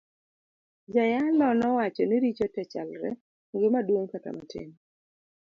Jayalo nowacho ni richo te chalre onge maduong kata matin.